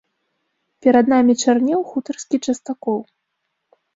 Перад намі чарнеў хутарскі частакол.